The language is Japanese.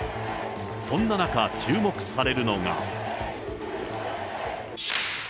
そんな中、注目されるのが。